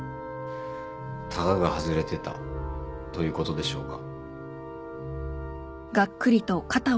たがが外れてたということでしょうか。